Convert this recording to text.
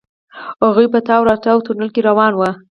هغوئ په تاو راتاو تونل کې روان وو.